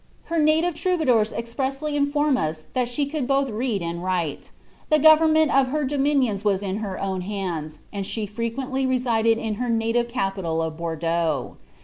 Her native trouba dours expressly inform us that she could both read and write. The government of her dominions was in her own hands, and she frequently resided in her native capital of Bourdeaux.